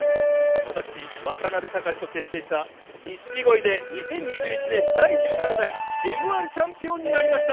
私、渡辺隆と結成した錦鯉で、２０２１年第１７代Ｍー１チャンピオンになりました。